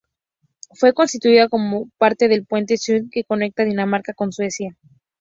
Fue construida como parte del puente Sund, que conecta Dinamarca con Suecia.